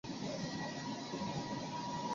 后汉干佑二年窦偁中进士。